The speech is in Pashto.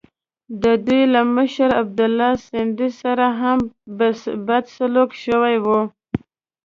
د دوی له مشر عبیدالله سندي سره هم بد سلوک شوی وو.